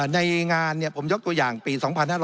ในงานผมยกตัวอย่างปี๒๕๕๙